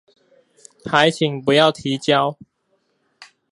還請不要提交